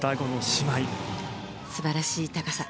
素晴らしい高さ。